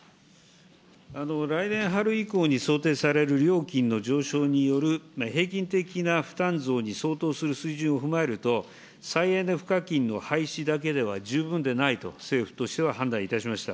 来年春以降に想定される料金の状況による平均的な負担増に想定する水準を踏まえると、再エネ賦課金の廃止だけでは十分でないと政府としては判断いたしました。